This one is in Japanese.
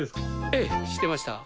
ええ知ってました！